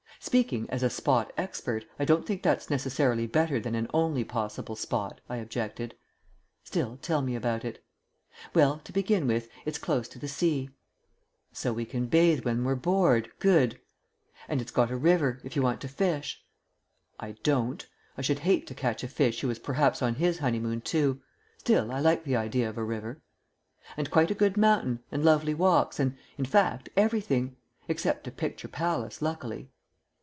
"Speaking as a spot expert, I don't think that's necessarily better than an only possible spot," I objected. "Still, tell me about it." "Well, to begin with, it's close to the sea." "So we can bathe when we're bored. Good." "And it's got a river, if you want to fish " "I don't. I should hate to catch a fish who was perhaps on his honeymoon too. Still, I like the idea of a river." "And quite a good mountain, and lovely walks, and, in fact, everything. Except a picture palace, luckily."